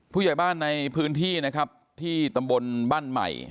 ผู้ใหญ่บ้านในพื้นที่นะครับที่ตำบลบ้านใหม่